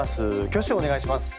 挙手をお願いします。